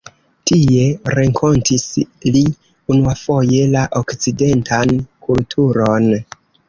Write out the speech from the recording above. Tie renkontis li unuafoje la okcidentan kulturon.